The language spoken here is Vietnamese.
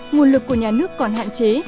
nguồn lực của nhà nước còn hạn chế